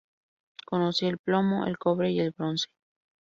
Conocía el plomo, el cobre y el bronce.